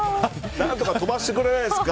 何とかが飛ばしてくれないですか